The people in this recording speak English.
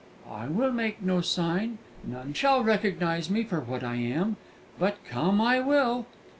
"I will make no sign; none shall recognise me for what I am. But come I will!"